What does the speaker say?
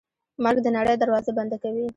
مرګ د نړۍ دروازه بنده کوي.